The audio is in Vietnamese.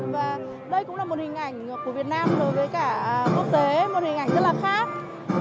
và đây cũng là một hình ảnh của việt nam đối với cả quốc tế một hình ảnh rất là khác